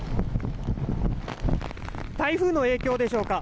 台風の影響でしょうか。